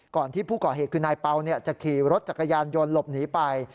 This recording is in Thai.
ที่ผู้ก่อเหตุคือนายเปล่าจะขี่รถจักรยานยนต์หลบหนีไป